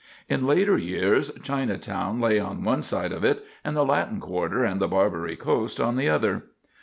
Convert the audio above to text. In later years Chinatown lay on one side of it and the Latin quarter and the "Barbary Coast" on the other.